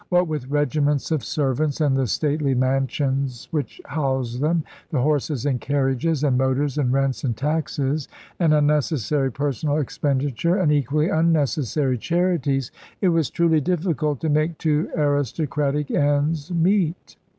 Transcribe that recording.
What with regiments of servants and the stately mansions which housed them, the horses and carriages, and motors, and rents and taxes, and unnecessary personal expenditure, and equally unnecessary charities, it was truly difficult to make two aristocratic ends meet.